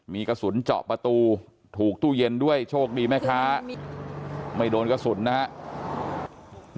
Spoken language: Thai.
มีกระสุนเจาะประตูถูกตู้เย็นด้วยโชคดีแม่ค้าไม่โดนกระสุนนะครับ